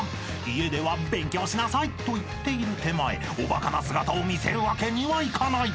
［家では勉強しなさいと言っている手前おバカな姿を見せるわけにはいかない］